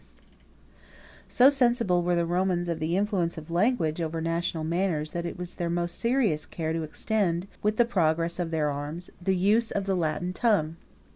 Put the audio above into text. ] So sensible were the Romans of the influence of language over national manners, that it was their most serious care to extend, with the progress of their arms, the use of the Latin tongue.